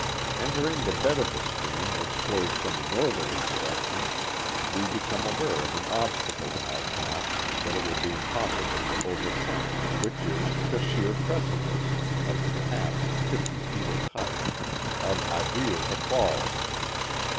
Entering the bed of the stream which flows from the northerly direction we become aware of an obstacle in our path that it will be impossible to overcome, which is the sheer precipice, of perhaps fifty feet in height, of Adriutha Falls.